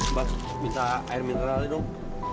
mas minta air mineralnya dong